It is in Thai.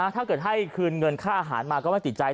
ถ้าเกิดให้คืนเงินค่าอาหารมาก็ไม่ติดใจ